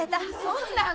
そんなん。